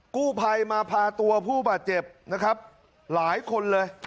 กู้ภัยมาพาตัวผู้บาดเจ็บนะครับหลายคนเลย